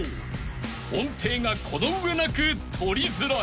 ［音程がこの上なく取りづらい］